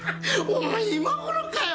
お前今頃かよ！？